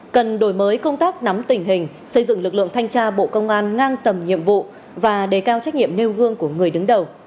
cần đổi mới công tác nắm tình hình xây dựng lực lượng thanh tra bộ công an ngang tầm nhiệm vụ và đề cao trách nhiệm nêu gương của người đứng đầu